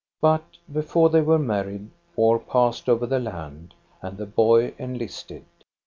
But before they were married, war passed over the land, and the boy enlisted.